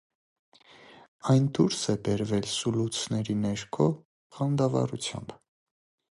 Այն դուրս է բերվել սուլոցների ներքո, խանդավառությամբ։